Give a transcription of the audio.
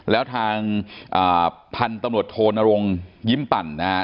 แล้วทางพันธุ์ตำรวจโทนรงยิ้มปั่นนะฮะ